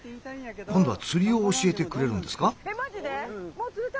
今度は釣りを教えてくれるんですか？